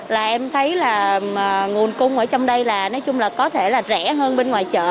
là em thấy là nguồn cung ở trong đây là nói chung là có thể là rẻ hơn bên ngoài chợ